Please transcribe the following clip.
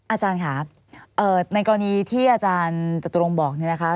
อาจารย์ค่ะในกรณีที่อาจารย์จตุรงค์บอกเนี่ยนะคะ